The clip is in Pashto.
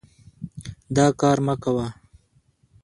دا کار مه کوه.